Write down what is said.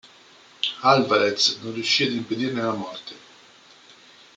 Álvarez non riuscì a impedirne la morte.